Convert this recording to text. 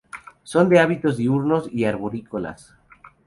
Son de hábitos diurnos y arborícolas.